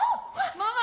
ママ！